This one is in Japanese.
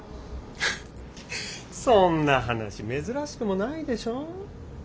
フッそんな話珍しくもないでしょう。